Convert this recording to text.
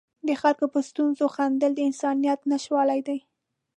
د خلکو په ستونزو خندل د انسانیت نشتوالی دی.